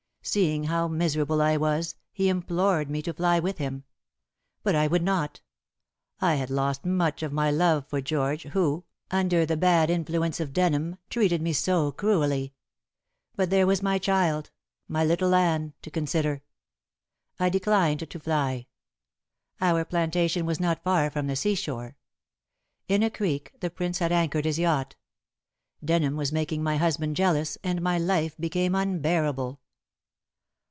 Seeing how miserable I was, he implored me to fly with him. But I would not. I had lost much of my love for George, who, under the bad influence of Denham, treated me so cruelly. But there was my child my little Anne to consider. I declined to fly. Our plantation was not far from the seashore. In a creek the Prince had anchored his yacht. Denham was making my husband jealous, and my life became unbearable.